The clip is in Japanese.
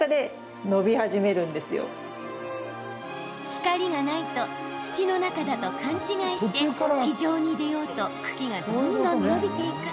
光がないと土の中だと勘違いして地上に出ようと茎がどんどん伸びていく。